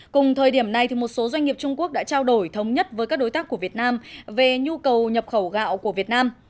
cùng thời điểm này một số doanh nghiệp trung quốc đã trao đổi thống nhất với các đối tác của việt nam về nhu cầu nhập khẩu gạo của việt nam